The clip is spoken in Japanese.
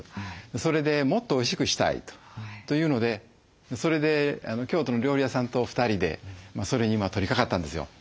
それでもっとおいしくしたいというのでそれで京都の料理屋さんと２人でそれに取りかかったんですよ。